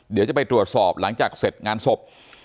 เดี๋ยวจะไปตรวจสอบหลังจากเสร็จงานศพ